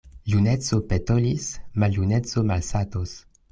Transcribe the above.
Juneco petolis, maljuneco malsatos.